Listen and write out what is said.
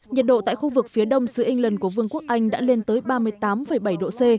nhiệt độ tại khu vực phía đông xứ england của vương quốc anh đã lên tới ba mươi tám bảy độ c